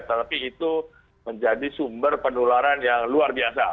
tetapi itu menjadi sumber penularan yang luar biasa